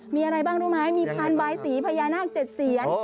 มีอะไรบ้างรู้ไหมมีพานบายสีพญานาค๗เสียน